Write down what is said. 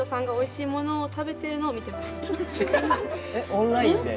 オンラインで？